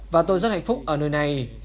và tôi rất hạnh phúc ở nơi này